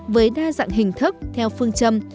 với đa dạng hình thức theo phương châm